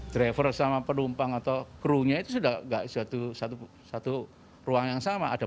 driver sama penumpang atau kru nya itu sudah nggak satu ruang yang sama